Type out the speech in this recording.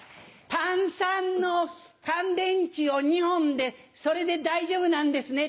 単三の乾電池を２本でそれで大丈夫なんですね？